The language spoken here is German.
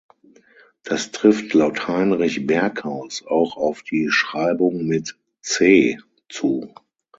Das trifft laut Heinrich Berghaus auch auf die Schreibung mit „C“ zu.